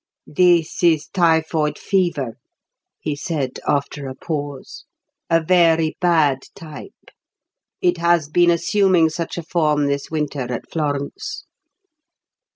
"This is typhoid fever," he said after a pause. "A very bad type. It has been assuming such a form this winter at Florence."